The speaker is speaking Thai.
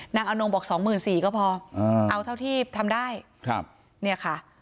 ๒๔๐๐๐๐นางอนงบอก๒๔๐๐๐ก็พอเอาเท่าที่ทำได้เนี่ยค่ะ